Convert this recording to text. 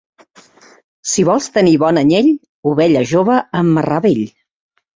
Si vols tenir bon anyell, ovella jove amb marrà vell.